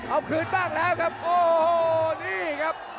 เอาคืนบ้างแล้วครับโอ้โหนี่ครับ